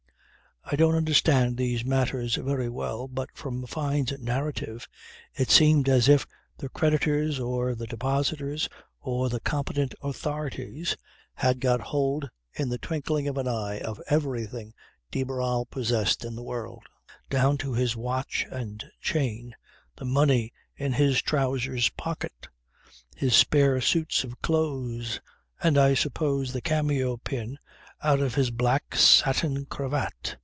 I don't understand these matters very well, but from Fyne's narrative it seemed as if the creditors or the depositors, or the competent authorities, had got hold in the twinkling of an eye of everything de Barral possessed in the world, down to his watch and chain, the money in his trousers' pocket, his spare suits of clothes, and I suppose the cameo pin out of his black satin cravat.